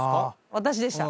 私でした。